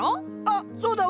あっそうだ。